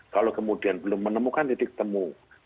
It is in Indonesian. kalau kemudian belum menemukan titik temu